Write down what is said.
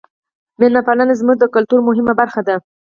میلمه پالنه زموږ د کلتور مهمه برخه ده.